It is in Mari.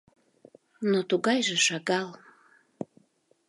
Но тугайже шагал.